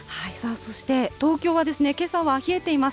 そして東京はけさは冷えています。